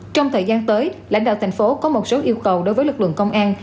trong thời gian tới lãnh đạo thành phố có một số yêu cầu đối với lực lượng công an